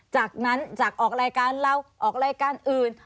จากนั้นจากออกรายการเราออกรายการอื่น